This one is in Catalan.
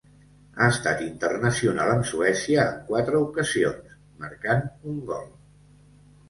Ha estat internacional amb Suècia en quatre ocasions, marcant un gol.